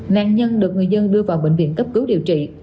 nạn nhân được người dân đưa vào bệnh viện cấp cứu điều trị